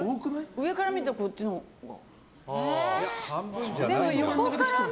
上から見るとこっちのほうが。